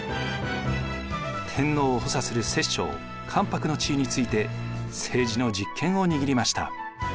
天皇を補佐する摂政・関白の地位について政治の実権を握りました。